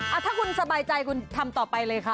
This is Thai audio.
ถ้าคุณสบายใจคุณทำต่อไปเลยค่ะ